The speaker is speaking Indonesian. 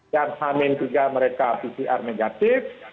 yang hamil juga mereka pcr negatif